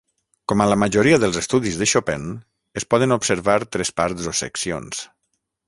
Com a la majoria dels estudis de Chopin es poden observar tres parts o seccions.